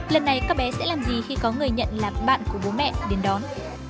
lần này các bé sẽ làm gì khi có người nhận là bạn của bố mẹ đến đón